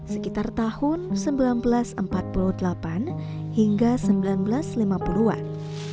sekitar tahun seribu sembilan ratus empat puluh delapan hingga seribu sembilan ratus lima puluh an